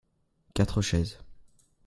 quatre chaises.